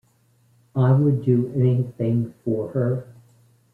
I would do anything for her.